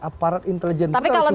aparat intelijen juga harus tetap netral